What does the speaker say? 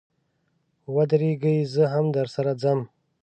و درېږئ، زه هم درسره ځم.